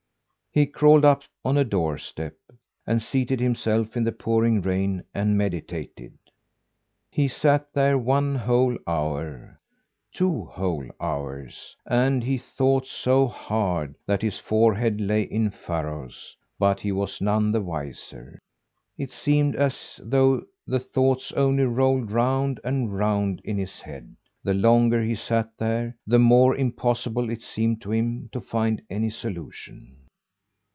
He crawled up on a doorstep, and seated himself in the pouring rain and meditated. He sat there one whole hour two whole hours, and he thought so hard that his forehead lay in furrows; but he was none the wiser. It seemed as though the thoughts only rolled round and round in his head. The longer he sat there, the more impossible it seemed to him to find any solution.